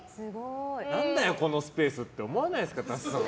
何だよ、このスペースって思わないですか、ＴＡＴＳＵさん。